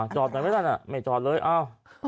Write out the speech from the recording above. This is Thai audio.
จอดไหนไว้ด้านนั้นไม่จอดเลยอ้าว